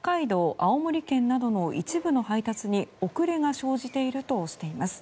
青森県などの一部の配達に遅れが生じているとしています。